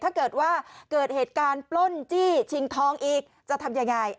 ถ้าเกิดว่าเกิดเหตุการณ์ปล้นจี้ชิงทองอีกจะทำยังไง